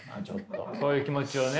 そういう気持ちをね。